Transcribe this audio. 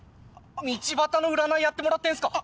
道端の占いやってもらってんすか？